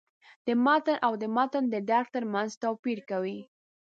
د «متن» او «د متن د درک» تر منځ توپیر کوي.